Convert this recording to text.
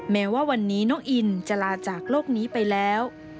แม้ว่าวันนี้น้องอินจะลาจากโลกนี้ไปแล้ว